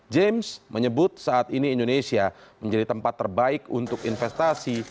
james menyebut saat ini indonesia menjadi tempat terbaik untuk investasi